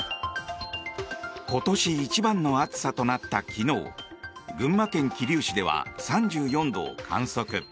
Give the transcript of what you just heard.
今年一番の暑さとなった昨日群馬県桐生市では３４度を観測。